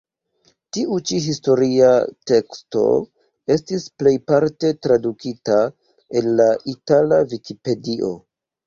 Tiu ĉi historia teksto estis plejparte tradukita el la itala vikipedio.